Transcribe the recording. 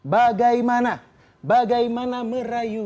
bagaimana bagaimana merayakan